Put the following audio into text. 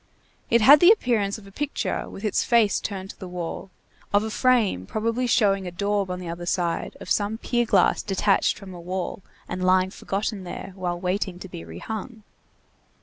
It had the appearance of a picture with its face turned to the wall, of a frame probably showing a daub on the other side, of some pier glass detached from a wall and lying forgotten there while waiting to be rehung.